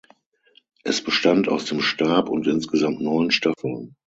Es bestand aus dem Stab und insgesamt neun Staffeln.